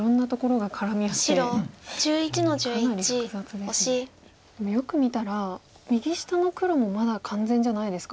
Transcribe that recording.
でもよく見たら右下の黒もまだ完全じゃないですか。